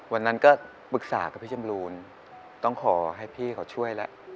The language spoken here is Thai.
วันนั้นก็ปรึกษากับพี่จำรูนต้องขอให้พี่เขาช่วยแล้ว